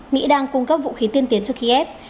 mỹ đang cung cấp vũ khí tiên tiến cho kiev